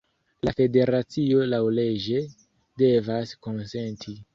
La Federacio laŭleĝe devas konsenti.